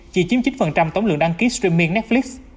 chỉ chiếm chín tổng lượng đăng ký streaming netflix